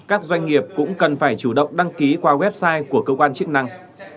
các doanh nghiệp cũng cần phải chủ động đăng ký qua website của cơ quan chức năng